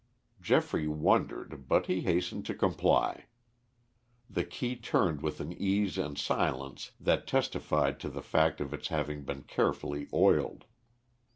Geoffrey wondered, but he hastened to comply. The key turned with an ease and silence that testified to the fact of its having been carefully oiled.